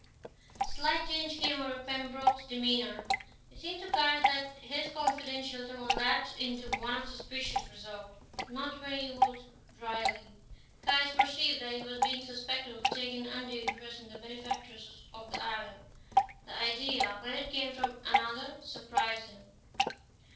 A slight change came over Pembroke's demeanour. It seemed to Caius that his confidential tone lapsed into one of suspicious reserve. "Not very old" dryly. Caius perceived that he was being suspected of taking an undue interest in the benefactress of the island. The idea, when it came from another, surprised him.